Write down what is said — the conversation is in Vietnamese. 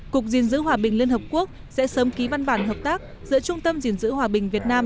cục diện giữ hòa bình liên hợp quốc sẽ sớm ký văn bản hợp tác giữa trung tâm diện giữ hòa bình việt nam